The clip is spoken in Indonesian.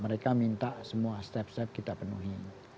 mereka minta semua step step kita penuhi